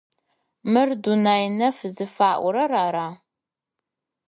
Мыр Дунай нэф зыфаӏорэр ары.